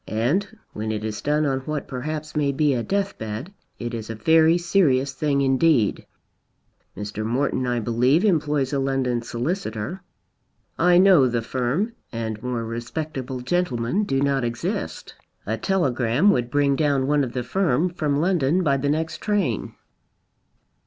And when it is done on what perhaps may be a death bed, it is a very serious thing indeed. Mr. Morton, I believe, employs a London solicitor. I know the firm and more respectable gentlemen do not exist. A telegram would bring down one of the firm from London by the next train."